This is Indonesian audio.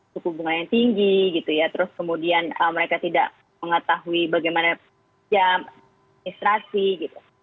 suku bunga yang tinggi gitu ya terus kemudian mereka tidak mengetahui bagaimana jam administrasi gitu